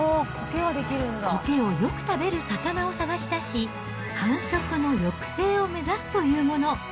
こけをよく食べる魚を探し出し、繁殖の抑制を目指すというもの。